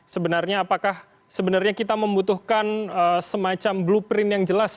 sebenarnya apakah sebenarnya kita membutuhkan semacam blueprint yang jelas